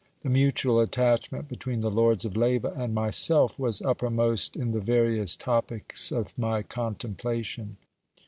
The mutual attachment between the lords of Leyva and myself was uppermost in the various topics of my contemplation.